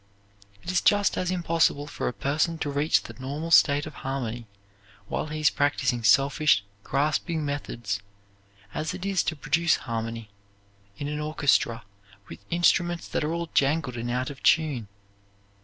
It is just as impossible for a person to reach the normal state of harmony while he is practising selfish, grasping methods, as it is to produce harmony in an orchestra with instruments that are all jangled and out of tune.